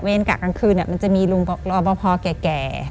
กะกลางคืนมันจะมีลุงรอปภแก่